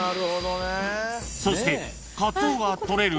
［そして］